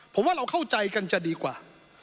ผมว่าเราเข้าใจกันจะดีกว่า